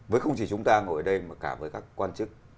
với không chỉ chúng ta ngồi ở đây mà cả với các quan chức